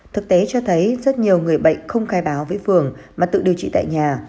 thực tế cho thấy rất nhiều người bệnh không khai báo với phường mà tự điều trị tại nhà